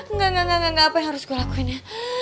enggak enggak apa yang harus gue lakuin ya